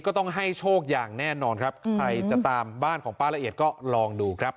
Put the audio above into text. ก็ต้องให้โชคอย่างแน่นอนครับใครจะตามบ้านของป้าละเอียดก็ลองดูครับ